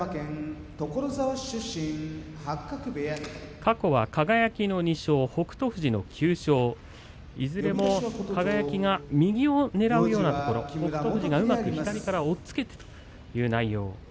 過去は輝の２勝、北勝富士の９勝いずれも輝が右をねらうような北勝富士がうまく左から押っつけてという、内容。